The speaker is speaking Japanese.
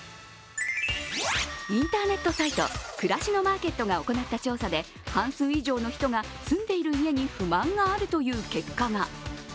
インターネットサイト、くらしのマーケットが行った調査で半数以上の人が住んでいる家に不満があるという結果が。